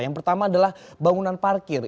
yang pertama adalah bangunan parkir